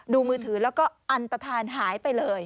มือถือแล้วก็อันตฐานหายไปเลย